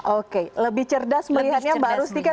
oke lebih cerdas melihatnya mbak rustika